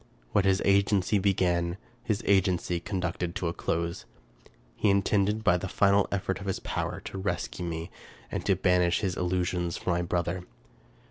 What his agency began, his agency conducted to a close. He intended, by the final effort of his power, to rescue me and to banish his illusions from my brother.